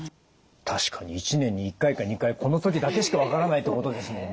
確かに１年に１回か２回この時だけしか分からないってことですもんね。